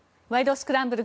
スクランブル」